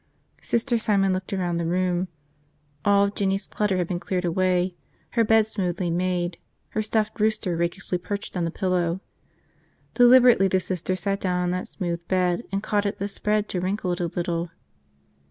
Sister Simon looked around the room. All of Jinny's clutter had been cleared away, her bed smoothly made, her stuffed rooster rakishly perched on the pillow. Deliberately the Sister sat down on that smooth bed and caught at the spread to wrinkle it a little.